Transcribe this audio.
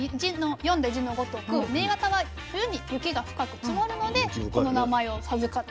読んで字のごとく新潟は冬に雪が深く積もるのでこの名前を授かったということなんです。